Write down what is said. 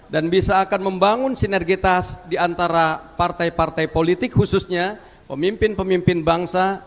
dan bisa akan membangun sinergitas diantara partai partai politik khususnya pemimpin pemimpin bangsa